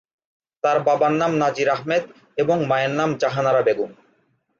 তার বাবার নাম নাজির আহমেদ এবং মায়ের নাম জাহানারা বেগম।